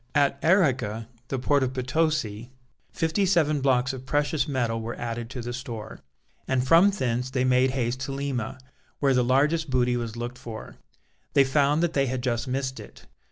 At Arica, the port of Potosi, fifty seven blocks of precious metal were added to the store; and from thence they made haste to Lima, where the largest booty was looked for. They found that they had just missed it.